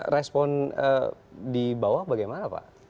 respon di bawah bagaimana pak